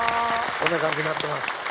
こんな感じになってます。